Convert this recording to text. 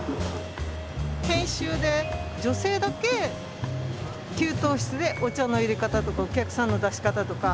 研修で女性だけ給湯室でお茶のいれ方とかお客さんの出し方とか。